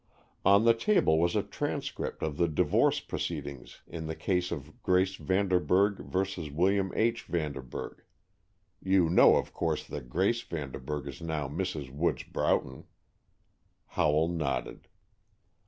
"On the table was a transcript of the divorce proceedings in the case of Grace Vanderburg v. William H. Vanderburg. You know, of course, that Grace Vanderburg is now Mrs. Woods Broughton." Howell nodded.